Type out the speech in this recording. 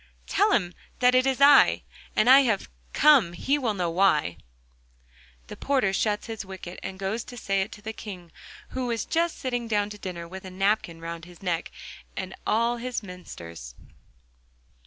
'Tell him that it is I, and I have come he well knows why.' The porter shuts his wicket and goes up to say it to the King, who was just sitting down to dinner with a napkin round his neck, and all his ministers.